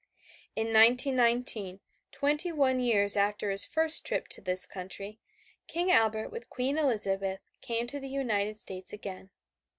In 1919, twenty one years after his first trip to this country, King Albert with Queen Elizabeth came to the United States again.